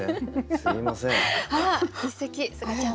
すいません。